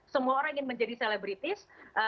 semua orang ingin menjadi selebritis